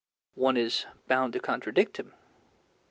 One is bound to contradict him.